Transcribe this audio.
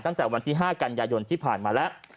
ตั้งแต่วันที่๕กันยายนที่ผ่านมาแล้ว